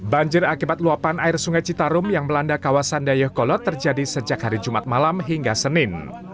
banjir akibat luapan air sungai citarum yang melanda kawasan dayakolot terjadi sejak hari jumat malam hingga senin